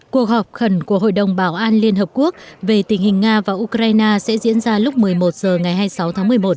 cuộc họp khẩn của hội đồng bảo an liên hợp quốc về tình hình nga và ukraine sẽ diễn ra lúc một mươi một h ngày hai mươi sáu tháng một mươi một